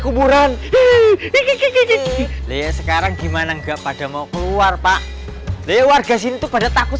kuburan ih ih ih ih iya sekarang gimana enggak pada mau keluar pak dewar gas itu pada takut